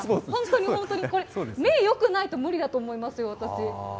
本当に、本当にこれ目よくないと無理だと思いますよ、私。